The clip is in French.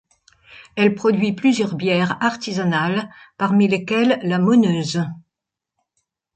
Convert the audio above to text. Elle produit plusieurs bières artisanales parmi lesquelles la Moneuse.